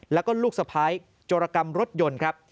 แล้วก็ลูกสะพ้ายโจรกรรมรถยนต์ครับ